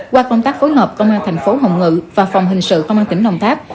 qua công tác phối hợp công an tp hồng ngự và phòng hình sự công an tỉnh đồng tháp